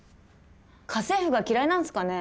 家政婦が嫌いなんすかね？